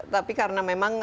tapi karena memang